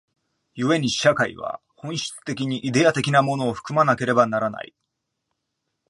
故に社会は本質的にイデヤ的なものを含まなければならない。